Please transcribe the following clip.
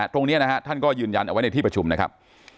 ตรงนี้นะฮะท่านก็ยืนยันเอาไว้ในที่ประชุมนะครับ